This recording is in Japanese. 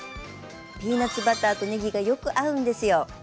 ピーナツバターとねぎがよく合うんですよ。